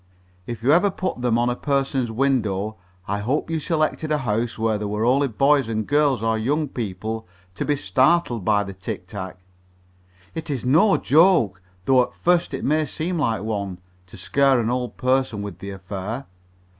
If you ever put them on any person's window, I hope you selected a house where there were only boys and girls or young people to be startled by the tic tac. It is no joke, though at first it may seem like one, to scare an old person with the affair.